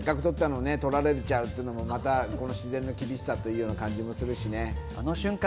せっかく取ったのを取られちゃうっていうのも、また自然の厳しさというのを感じますしね。